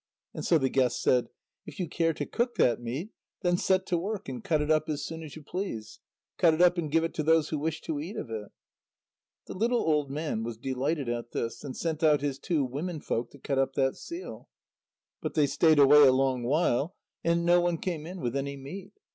And so the guest said: "If you care to cook that meat, then set to work and cut it up as soon as you please. Cut it up and give to those who wish to eat of it." The little old man was delighted at this, and sent out his two women folk to cut up that seal. But they stayed away a long while, and no one came in with any meat.